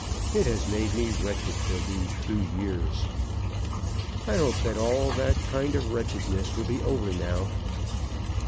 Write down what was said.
It has made me wretched for these two years." "I hope all that kind of wretchedness will be over now."